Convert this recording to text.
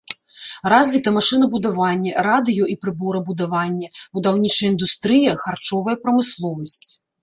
Развіта машынабудаванне, радыё- і прыборабудаванне, будаўнічая індустрыя, харчовая прамысловасць.